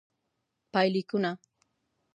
پایلیکونه: